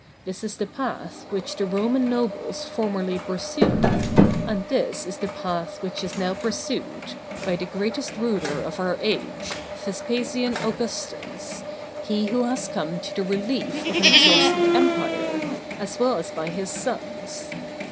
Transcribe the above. This is the path which the Roman nobles formerly pursued, and this is the path which is now pursued by the greatest ruler of our age, Vespasian Augustus, he who has come to the relief of an exhausted empire, as well as by his sons.